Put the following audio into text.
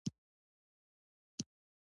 احمد په توده کې؛ غټ غټ لګښتونه کوي.